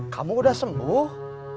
kamu udah sembuh